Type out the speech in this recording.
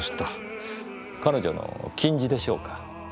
彼女の矜持でしょうか。